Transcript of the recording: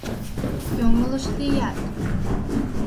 Йоҥылыш лият.